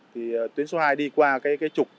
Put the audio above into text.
thì tuyến số hai đi qua cái trục